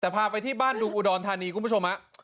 แต่พาไปที่บ้านดุงอุดรธานีคุณผู้ชมฮะ